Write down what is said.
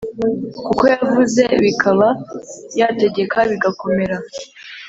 Kuko yavuze bikaba, yategeka bigakomera